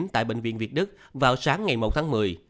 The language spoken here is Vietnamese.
tại bệnh viện việt đức vào sáng ngày một tháng một mươi